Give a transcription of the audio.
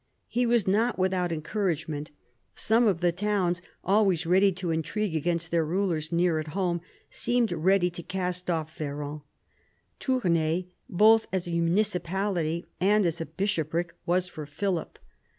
He was not without encouragement. Some of the towns, always ready to intrigue against their rulers near at home, seemed ready to cast off Ferrand. Tournai, both as a municipality and as a bishopric, was for Philip.